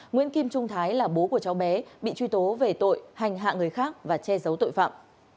nguyễn kim trung thái là bố của cháu bé bị truy tố về tội hành hạ người khác và che giấu tội phạm